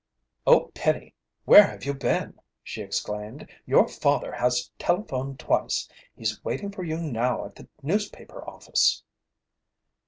"Oh, Penny, where have you been!" she exclaimed. "Your father has telephoned twice. He's waiting for you now at the newspaper office."